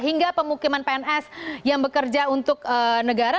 hingga pemukiman pns yang bekerja untuk negara